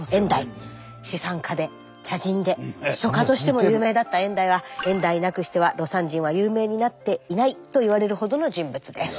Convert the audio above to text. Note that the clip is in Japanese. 資産家で茶人で書家としても有名だった燕台は燕台なくしては魯山人は有名になっていないといわれるほどの人物です。